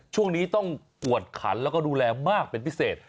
ช่วงนี้ต้องกวดขันแล้วก็ดูแลมากเป็นพิเศษ